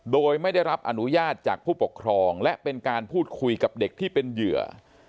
โดยไม่ได้รับอนุญาตจากผู้ปกครองและเป็นการพูดคุยกับเด็กที่เป็นเหยื่อ